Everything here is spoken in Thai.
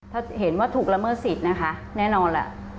ถ้าเห็นว่าถูกละเมิดสิทธิ์นะคะแน่นอนล่ะ